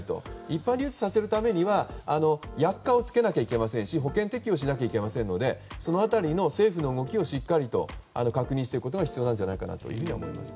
一般流通させるためには薬価をつけなきゃいけませんし保険適用しないといけないので政府の動きをしっかりと確認していくことが必要だと思います。